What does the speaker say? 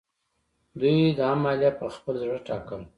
دوی دا مالیه په خپل زړه ټاکله.